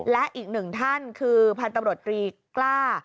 และอีกหนึ่งท่านคือพันธุ์ตำรวจตรีกล้า